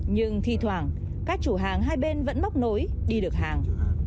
nhưng thi thoảng các chủ hàng hai bên vẫn móc nối đi được hàng